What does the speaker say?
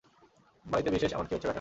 বাড়িতে বিশেষ এমন কী হচ্ছে, ব্যাটা?